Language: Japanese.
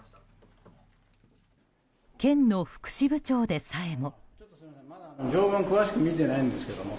県の福祉部長でさえも。